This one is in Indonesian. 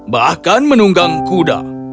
bahkan menunggang kuda